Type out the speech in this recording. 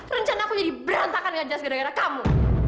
rencana aku jadi berantakan nggak jelas gara gara kamu